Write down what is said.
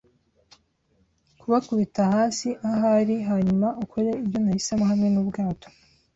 kubakubita hasi, ahari, hanyuma ukore ibyo nahisemo hamwe nubwato.